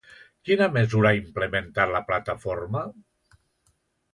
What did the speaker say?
Quina mesura ha implementat la Plataforma?